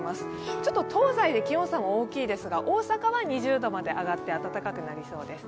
ちょっと東西で気温差も大きいですが、大阪は２０度まで上がって暖かくなりそうです。